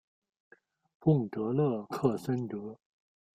贡德勒克桑格。